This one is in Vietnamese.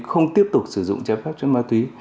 không tiếp tục sử dụng trái phép chất ma túy